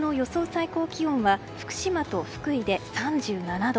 最高気温は福島と福井で３７度。